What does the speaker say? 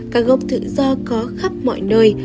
các gốc tự do có khắp mọi nơi